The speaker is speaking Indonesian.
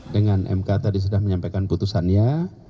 dengan mk tadi sudah menyampaikan putusannya